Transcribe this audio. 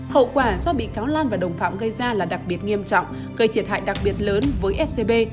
hậu quả do bị cáo lan và đồng phạm gây ra là đặc biệt nghiêm trọng gây thiệt hại đặc biệt lớn với scb